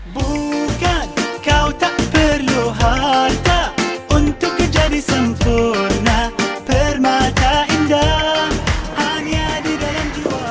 bukan kau tak perlu harta untuk menjadi sempurna permata indah hanya di dalam jiwa